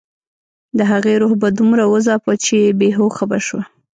د هغې روح به دومره وځاپه چې بې هوښه به شوه